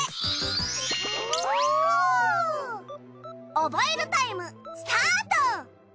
おぼえるタイムスタート！